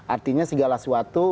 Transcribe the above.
artinya segala sesuatu